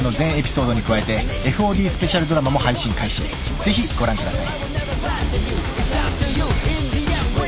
［ぜひご覧ください］